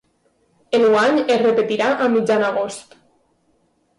Enguany es repetirà a mitjan agost.